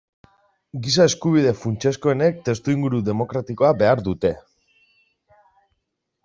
Giza-eskubide funtsezkoenek testuinguru demokratikoa behar dute.